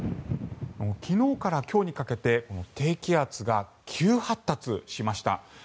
昨日から今日にかけて低気圧が急発達しました。